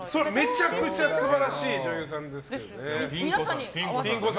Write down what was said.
めちゃくちゃ素晴らしい女優さんですけどね。